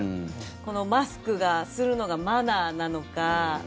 この、マスクをするのがマナーなのか。